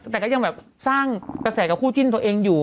แต่ก็ยังสร้างแป๋ดแสดกับผู้จิ้นตัวเองอยู่